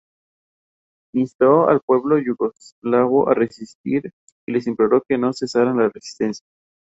Instó al pueblo yugoslavo a resistir y les imploró que no cesaran la resistencia.